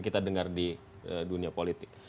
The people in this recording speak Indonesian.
kita dengar di dunia politik